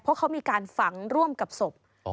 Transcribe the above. เพราะเขามีการฝังร่วมกับศพ